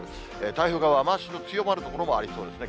太平洋側は雨足の強まる所もありそうですね。